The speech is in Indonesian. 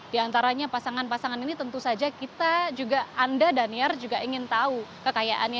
di antaranya pasangan pasangan ini tentu saja kita juga anda daniar juga ingin tahu kekayaannya